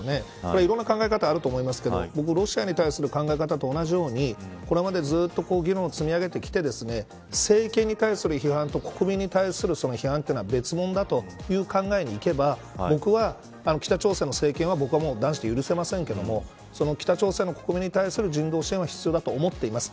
いろんな考え方があると思いますがロシアに対する考え方と同じようにこれまでずっと議論を積み上げてきて政権に対する批判と国民に対する批判は別物だという考えにいけば僕は北朝鮮の政権は断じて許せませんが北朝鮮の国民に対する人道支援は必要だと思っています。